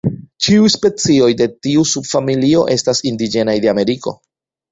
Ĉiuj specioj de tiu subfamilio estas indiĝenaj de Ameriko.